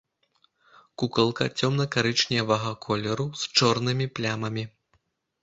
Кукалка цёмна-карычневага колеру з чорнымі плямамі.